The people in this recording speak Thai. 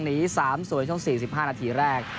หนี๓สวยช่วง๔๕นาทีแรก